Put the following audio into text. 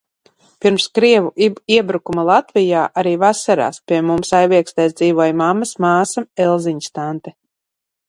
Pirms krieva iebrukuma Latvijā arī vasarās pie mums Aviekstēs dzīvoja mammas māsa Elziņas tante.